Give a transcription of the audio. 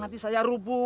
nanti saya rubuh